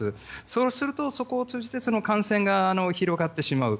そうすると、そこを通じて感染が広がってしまう。